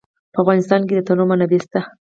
په افغانستان کې د تنوع منابع شته.